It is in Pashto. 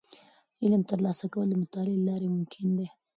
د علم ترلاسه کول د مطالعې له لارې ممکن دي.